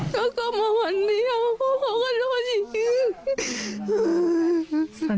แล้วก็มาวันนี้ครับเพราะเขาก็โทษจริง